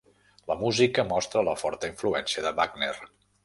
La música mostra la forta influència de Wagner.